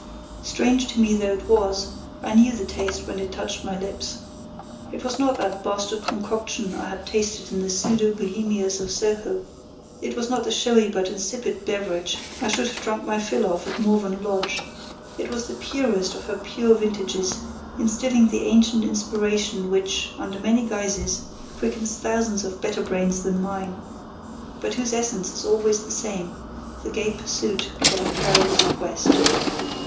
Strange to me though it was, I knew the taste when it touched my lips. It was not that bastard concoction I had tasted in the pseudo Bohemias of Soho; it was not the showy but insipid beverage I should have drunk my fill of at Morven Lodge; it was the purest of her pure vintages, instilling the ancient inspiration which, under many guises, quickens thousands of better brains than mine, but whose essence is always the same; the gay pursuit of a perilous quest.